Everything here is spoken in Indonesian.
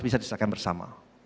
bisa disediakan bersama